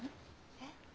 えっ？